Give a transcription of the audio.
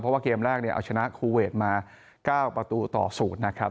เพราะว่าเกมแรกเนี่ยเอาชนะคูเวทมา๙ประตูต่อ๐นะครับ